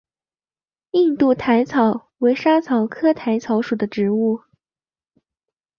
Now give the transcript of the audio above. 印度薹草为莎草科薹草属的植物。